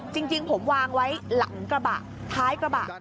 จริงผมวางไว้หลังกระบะท้ายกระบะ